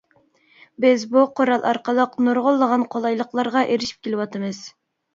بىز بۇ قورال ئارقىلىق نۇرغۇنلىغان قولايلىقلارغا ئېرىشىپ كېلىۋاتىمىز.